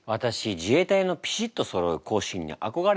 自衛隊のピシッとそろう行進にあこがれるの。